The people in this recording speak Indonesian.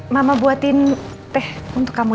mama buatin teh untuk kamu